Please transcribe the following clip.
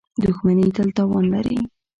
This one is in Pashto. • دښمني تل تاوان لري.